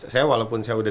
saya walaupun saya udah